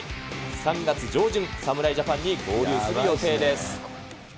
３月上旬、侍ジャパンに合流する予定です。